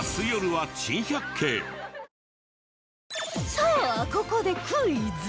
さあここでクイズ